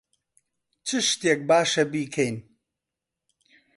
چ شتێک باشە بیکەین؟